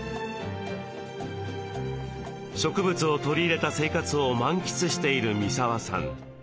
植物を取り入れた生活を満喫している三沢さん。